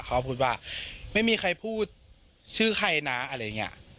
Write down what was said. เขาพูดว่าไม่มีใครพูดชื่อใครนะอะไรอย่างนี้